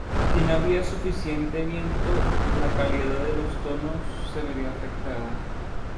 Si no había suficiente viento, la calidad de los tonos se veía afectada.